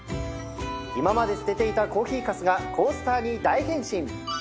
今まで捨てていたコーヒーかすがコースターに大変身！